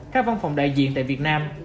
các văn phòng đại diện tại việt nam